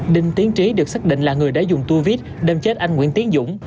đinh tiến trí được xác định là người đã dùng tu viết đem chết anh nguyễn tiến dũng